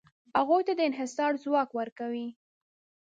هغوی ته د انحصار ځواک ورکوي.